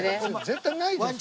絶対ないでしょ。